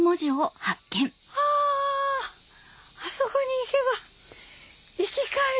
ああそこに行けば生き返る。